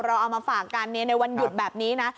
เราเอามาฝากกันในวันหยุดแบบนี้นะ